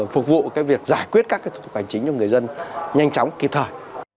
phục vụ việc giải quyết các thủ tục hành chính cho người dân nhanh chóng kịp thời